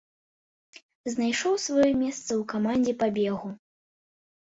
Знайшоў сваё месца ў камандзе па бегу.